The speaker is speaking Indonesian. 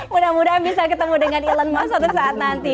mudah mudahan bisa ketemu dengan elon musk suatu saat nanti